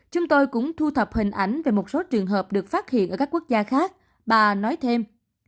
chúng tôi cũng thu thập hình ảnh về một số trường hợp được phát hiện ở các quốc gia khác bà nói thêm